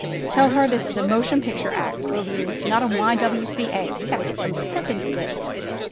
Tell her this is a motion picture act, will you T Not a T. !W. C. A. ! We gotta get some pep into this!"